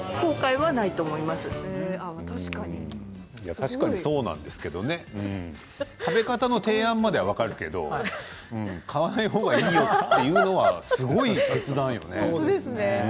確かにそうなんですけどね食べ方の提案までは分かるけど買わないほうがいいよというのはすごい決断よね。